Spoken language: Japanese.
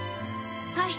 はい！